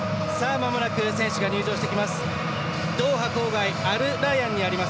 まもなく選手が入場してきます